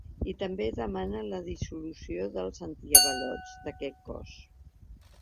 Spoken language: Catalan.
I també demanen la dissolució dels antiavalots d’aquest cos.